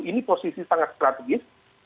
ini posisi sangat strategis